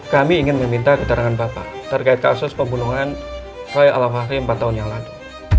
kami ingin meminta keterangan bapak terkait kasus pembunuhan roy al fahri empat tahun yang lalu